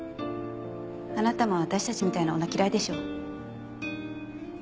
あなたも私たちみたいな女嫌いでしょ？